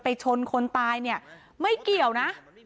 ชนคนตายเนี่ยไม่เกี่ยวนะ